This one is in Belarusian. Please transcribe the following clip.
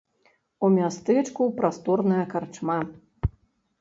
У мястэчку прасторная карчма.